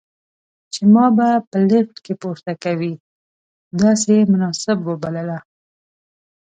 چې ما به په لفټ کې پورته کوي، داسې یې مناسب وبلله.